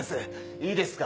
いいですか？